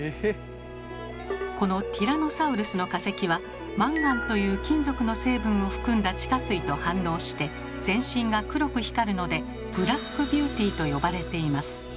このティラノサウルスの化石は「マンガン」という金属の成分を含んだ地下水と反応して全身が黒く光るので「ブラックビューティー」と呼ばれています。